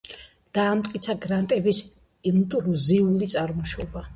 დაამტკიცა გრანიტების ინტრუზიული წარმოშობა.